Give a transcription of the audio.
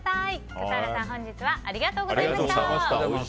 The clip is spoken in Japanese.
笠原さん、本日はありがとうございました。